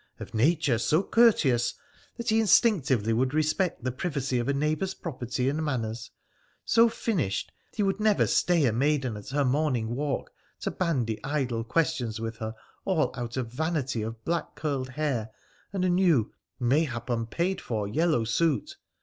Of nature so courteous that he instinctively would respect the privacy of a neighbour's property and manners, so finished he would never stay a maiden at her morning walk to bandy idle questions with her all out of vanity of black curled hair and a new, mayhap unpaid for, yellow suit.